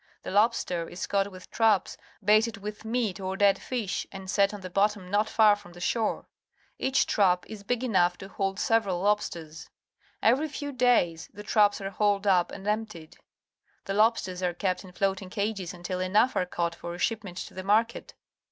The lobster is caught with traps baited with meat or dead fish and set on the bottom not far from shore. Each trap is big enough to hold THE OCEAN 45 several lobsters. Every few days the traps are hauled up and emptied. The lobsters are kept in floating cages until enough are caught for a shipment to the marliet.